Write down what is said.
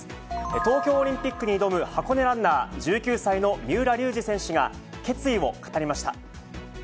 東京オリンピックに挑む箱根ランナー、１９歳の三浦龍司選手が決意を語りました。